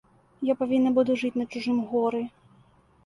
Я павінна буду жыць на чужым горы.